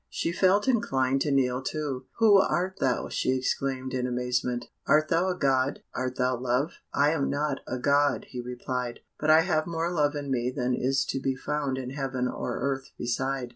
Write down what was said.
She felt inclined to kneel too. "Who art thou?" she exclaimed, in amazement. "Art thou a God? Art thou Love?" "I am not a God," he replied, "but I have more love in me than is to be found in heaven or earth beside.